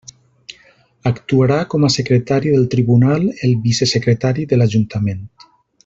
Actuarà com a secretari del Tribunal el vicesecretari de l'Ajuntament.